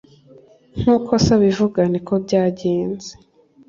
Nkuko se abivuganiko byagenze